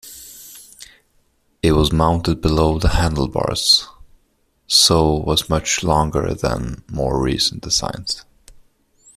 It was mounted below the handlebars, so was much longer than more recent designs.